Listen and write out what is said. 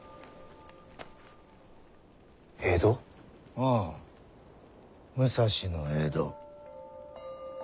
ああ武蔵の江戸。